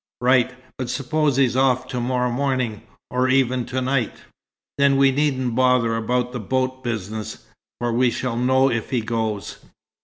"Right. But suppose he's off to morrow morning or even to night." "Then we needn't bother about the boat business. For we shall know if he goes.